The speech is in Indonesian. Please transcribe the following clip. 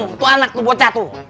itu anak lo buat satu